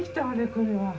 これは。